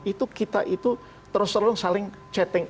itu kita itu terus terus saling chatting